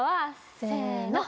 せの。